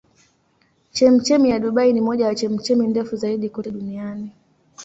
Chemchemi ya Dubai ni moja ya chemchemi ndefu zaidi kote duniani.